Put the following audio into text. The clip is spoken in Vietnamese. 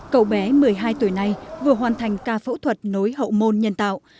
cậu bé một mươi hai tuổi này vừa hoàn thành ca phẫu thuật nối hậu môn nhân tạo